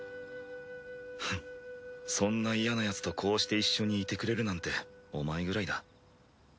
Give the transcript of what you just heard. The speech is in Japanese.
フッそんな嫌なヤツとこうして一緒にいてくれるなんてお前くらいだ。